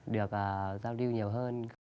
được giao lưu nhiều hơn